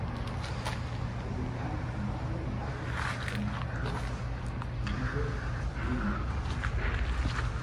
Der botanische Name leitet sich von ‚weiß‘ und ‚Blüte, Blume‘ ab.